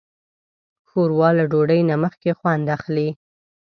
ښوروا له ډوډۍ نه مخکې خوند اخلي.